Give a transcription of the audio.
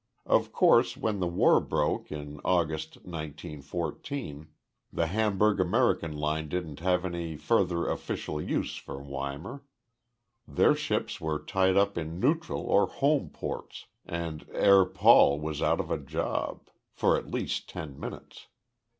Of course, when the war broke in August, 1914, the Hamburg American line didn't have any further official use for Weimar. Their ships were tied up in neutral or home ports and Herr Paul was out of a job for at least ten minutes.